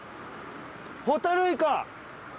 ホタルイカ！